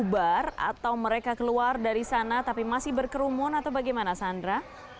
atau mereka keluar dari sana tapi masih berkerumun atau bagaimana sandra